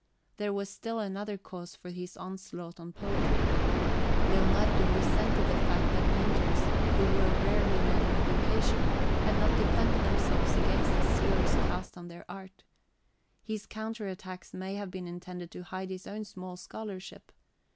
There was still another cause for his onslaught on poetry. Leonardo resented the fact that painters, who were rarely men of education, had not defended themselves against the slurs cast on their art. His counter attack may have been intended to hide his own small scholarship.